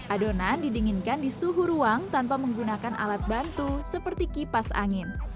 adonan didinginkan di suhu ruang tanpa menggunakan alat bantu seperti kipas angin